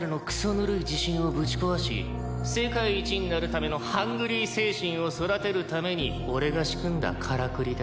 ぬるい自信をぶち壊し世界一になるためのハングリー精神を育てるために俺が仕組んだカラクリだ。